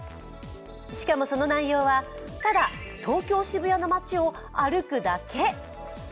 しかも、その内容は、ただ東京・渋谷の街を歩くだけ。